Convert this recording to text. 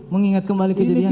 mengingat kembali kejadian itu